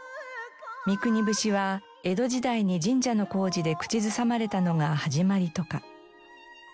『三国節』は江戸時代に神社の工事で口ずさまれたのが始まりとか。